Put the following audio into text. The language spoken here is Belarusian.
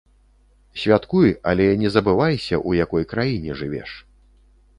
Святкуй, але не забывайся, у якой краіне жывеш.